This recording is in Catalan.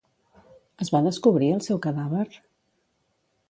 Es va descobrir el seu cadàver?